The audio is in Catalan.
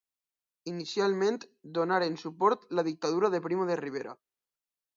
Inicialment donaren suport la Dictadura de Primo de Rivera.